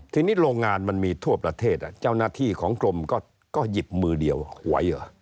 ทีนี้โรงงานมันมีทั่วประเทศเจ้าหน้าที่ของกรมก็หยิบมือเดียวไว้เหรอ